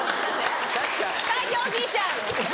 最強おじいちゃん。